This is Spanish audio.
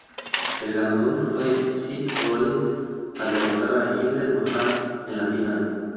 El ganador fue Seth Rollins al derrotar a Jinder Mahal en la final.